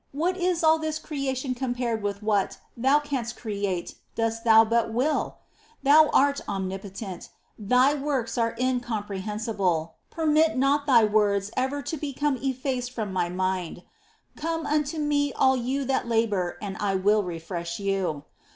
What is all this creation compared with what Thou canst create, dost Thou but will ? Thou art omnipotent : Thy works are incomprehensible.^ Permit not Thy words ever to become effaced from my mind :" Come unto Me all you that labour and I will refresh you."